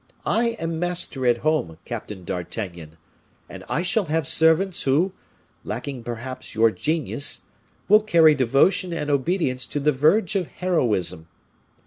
I am master at home, Captain d'Artagnan, and I shall have servants who, lacking, perhaps, your genius, will carry devotion and obedience to the verge of heroism.